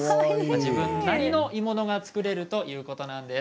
自分なりの鋳物が作れるということなんです。